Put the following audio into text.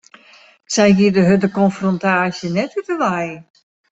Sy giet de hurde konfrontaasje net út 'e wei.